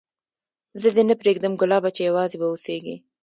زه دي نه پرېږدم ګلابه چي یوازي به اوسېږې